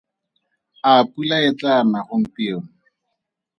A pula e tlaa na gompieno?